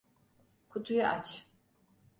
Kutuyu aç.